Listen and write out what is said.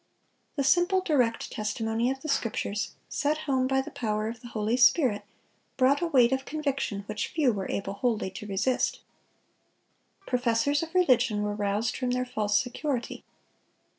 The simple, direct testimony of the Scriptures, set home by the power of the Holy Spirit, brought a weight of conviction which few were able wholly to resist. Professors of religion were roused from their false security.